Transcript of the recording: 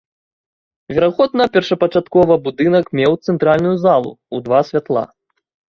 Верагодна, першапачаткова будынак меў цэнтральную залу ў два святла.